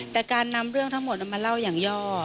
แต่การนำเรื่องทั้งหมดเอามาเล่าอย่างย่อ